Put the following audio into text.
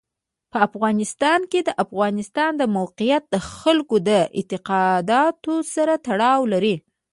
په افغانستان کې د افغانستان د موقعیت د خلکو د اعتقاداتو سره تړاو لري.